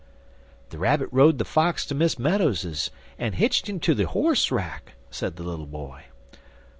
"The rabbit rode the fox to Miss Meadows's, and hitched him to the horse rack," said the little boy.